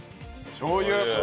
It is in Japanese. しょう油。